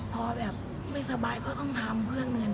พอแบบไม่สบายก็ต้องทำเพื่อเงิน